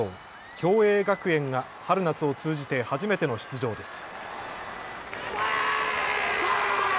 共栄学園が春夏を通じて初めての出場です。